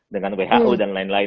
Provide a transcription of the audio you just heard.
dengan who dan lain lain